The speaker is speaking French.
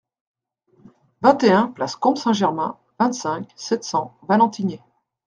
vingt et un place Combes Saint-Germain, vingt-cinq, sept cents, Valentigney